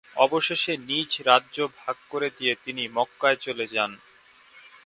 অবশেষে নিজ রাজ্য ভাগ করে দিয়ে তিনি মক্কায় চলে যান।